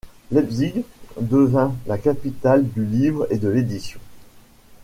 Leipzig devint la capitale du livre et de l'édition.